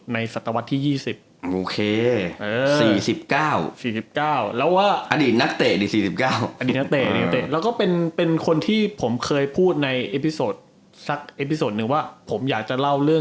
ในในในในในในในในในใน